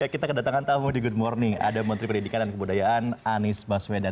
kita kedatangan tamu di good morning ada menteri pendidikan dan kebudayaan anies baswedan